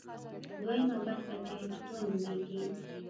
دویمه برخه چې اېچ دوه نومېږي.